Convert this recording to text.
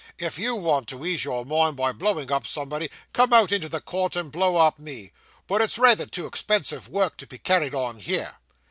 If you want to ease your mind by blowing up somebody, come out into the court and blow up me; but it's rayther too expensive work to be carried on here.